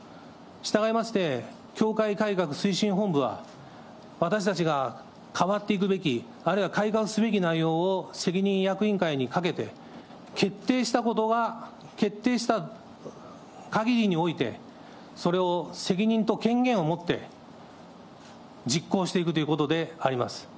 したがいまして、教会改革推進本部は、私たちが変わっていくべき、あるいは改革すべき内容を責任役員会にかけて、決定したことが、決定したかぎりにおいて、それを責任と権限を持って、実行していくということであります。